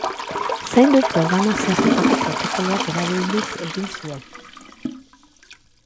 Zaindu programak zehaztutako protokoloak erabiliz egin zuen.